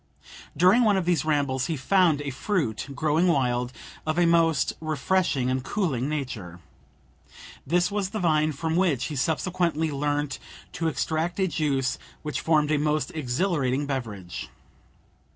During one of these rambles, he found a fruit growing wild, of a most refreshing and cooling nature. This was the vine, from which he subsequently learnt to extract a juice which formed a most exhilarating beverage.